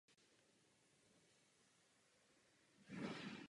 Jedná se o druhý největší okres v České republice podle rozlohy.